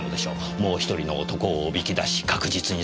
もう１人の男をおびき出し確実に裁くために。